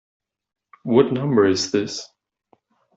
What number is this?